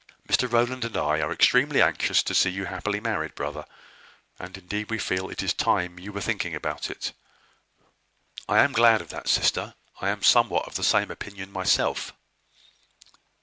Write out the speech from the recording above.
Mr Rowland and I are extremely anxious to see you happily married, brother; and indeed we feel it is time you were thinking about it." "I am glad of that, sister. I am somewhat of the same opinion myself."